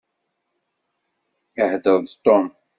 Ihḍeṛ-d Tom.